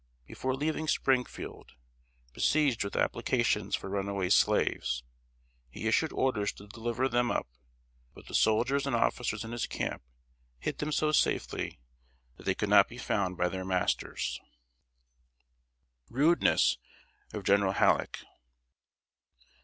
Before leaving Springfield, besieged with applications for runaway slaves, he issued orders to deliver them up; but soldiers and officers in his camps hid them so safely that they could not be found by their masters. [Sidenote: RUDENESS OF GENERAL HALLECK.